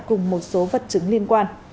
cùng một số vật chứng liên quan